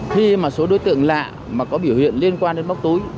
khi mà số đối tượng lạ mà có biểu hiện liên quan đến móc túi